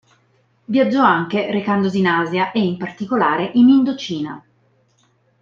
Viaggiò anche, recandosi in Asia e, in particolare, in Indocina.